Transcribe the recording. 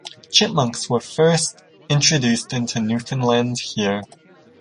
Chipmunks were first introduced into Newfoundland here.